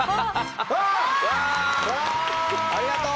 わあありがとう。